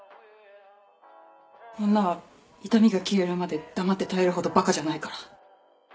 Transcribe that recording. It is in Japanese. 女は痛みが消えるまで黙って耐えるほどバカじゃないから。